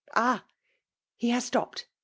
Ah !— He has stopped !